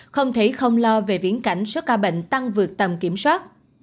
không thể không lo về viễn cảnh số ca bệnh tăng vượt tầm kiểm soát